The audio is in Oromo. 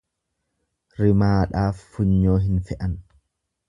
Rimaadhaaf funyoo hin fe'an.